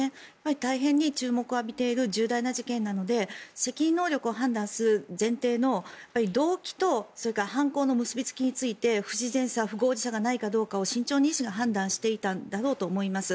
大変に注目を浴びている重大な事件なので責任能力を判断する前提の動機とそれから犯行の結びつきについて不自然さ、不合理さがないかどうか慎重に医師が判断していたんだと思います。